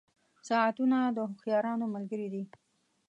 • ساعتونه د هوښیارانو ملګري دي.